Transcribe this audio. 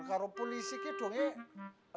kalo polisi ke dong ya